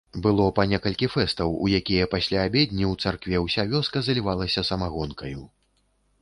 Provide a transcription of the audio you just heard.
Было па некалькі фэстаў, у якія пасля абедні ў царкве ўся вёска залівалася самагонкаю.